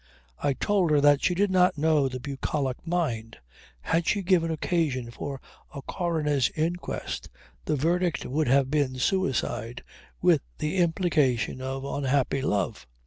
I told her that she did not know the bucolic mind. Had she given occasion for a coroner's inquest the verdict would have been suicide, with the implication of unhappy love.